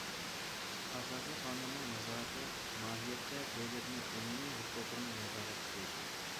ئاساسىي قانۇننىڭ نازارىتى ماھىيەتتە دۆلەتنىڭ ئومۇمىي ھوقۇقىنى نازارەت قىلىش.